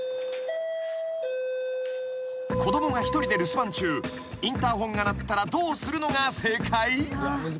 ［子供が一人で留守番中インターホンが鳴ったらどうするのが正解？］